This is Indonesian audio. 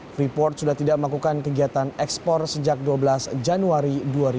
freeport sudah tidak melakukan kegiatan ekspor sejak dua belas januari dua ribu dua puluh